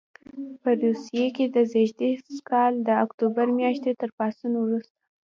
په روسیې کې د زېږدیز کال د اکتوبر میاشتې تر پاڅون وروسته.